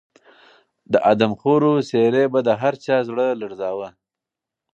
د آدمخورو څېرې به د هر چا زړه لړزاوه.